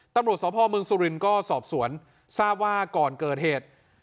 ตำรวจสพเมืองสุรินทร์ก็สอบสวนทราบว่าก่อนเกิดเหตุ